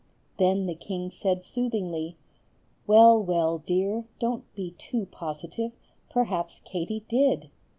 Then the king said soothingly, "Well, well, dear, don't be too positive; perhaps Katie did."